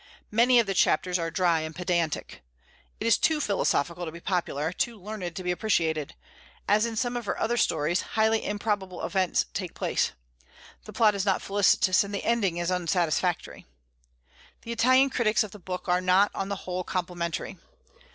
Many of the chapters are dry and pedantic. It is too philosophical to be popular, too learned to be appreciated. As in some of her other stories, highly improbable events take place. The plot is not felicitous, and the ending is unsatisfactory. The Italian critics of the book are not, on the whole, complimentary.